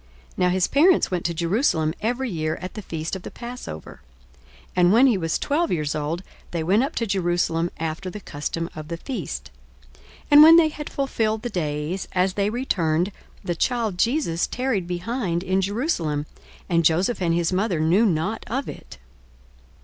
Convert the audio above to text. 42:002:041 Now his parents went to Jerusalem every year at the feast of the passover. 42:002:042 And when he was twelve years old, they went up to Jerusalem after the custom of the feast. 42:002:043 And when they had fulfilled the days, as they returned, the child Jesus tarried behind in Jerusalem; and Joseph and his mother knew not of it.